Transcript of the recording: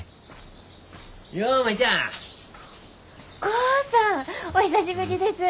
豪さんお久しぶりです。